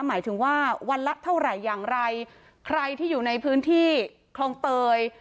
หมายถึงว่าวันละเท่าไหร่อย่างไรใครที่อยู่ในพื้นที่คลองเตย